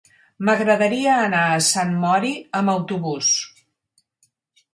M'agradaria anar a Sant Mori amb autobús.